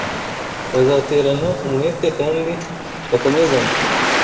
bazaterana umwete kandi bakomezanye